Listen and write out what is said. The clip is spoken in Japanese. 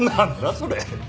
それ。